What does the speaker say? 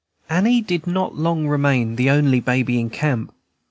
Annie did not long remain the only baby in camp.